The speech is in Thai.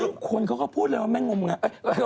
ซึ่งคนเขาก็พูดเลยว่าแม่งมไง